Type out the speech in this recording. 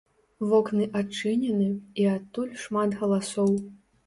Вокны адчынены, і адтуль шмат галасоў.